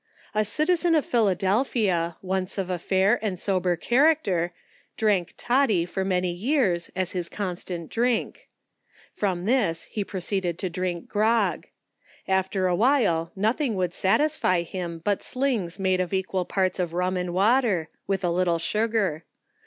A citizen of Philadelphia, once of a fair and sober character, drank toddy for many years, as his constant drink. From this he proceeded to drink grog. After a while, nothing would satisfy him, but slings made of equal parts of rum and water, with a lit tle sugar.